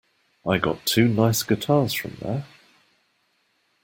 I got two nice guitars from there.